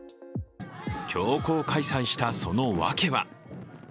強行開催したそのわけは？